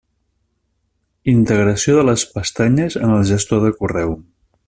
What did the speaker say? Integració de les pestanyes en el gestor de correu.